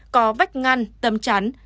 có vách ngăn tấm chắn